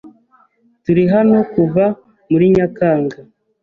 Turi hano kuva muri Nyakanga.